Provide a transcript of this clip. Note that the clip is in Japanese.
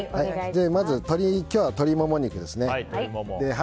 まず今日は鶏モモ肉ですね。